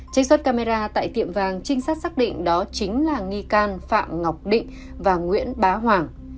trích xuất camera tại tiệm vàng trinh sát xác định đó chính là nghi can phạm ngọc định và nguyễn bá hoàng